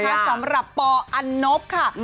สำหรับปอันนบค่ะ